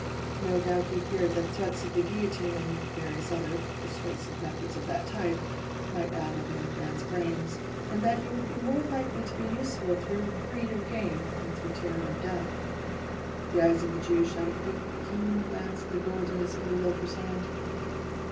No doubt he feared that threats of the guillotine, and various other persuasive methods of that type, might addle the old man's brains, and that he would be more likely to be useful through greed of gain, than through terror of death. The eyes of the Jew shot a quick, keen glance at the gold in his interlocutor's hand.